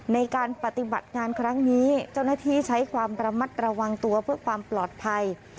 ในการปฏิบัติงานครั้งนี้เจ้าหน้าที่ใช้ความระมัดระวังตัวเพื่อความปลอดภัย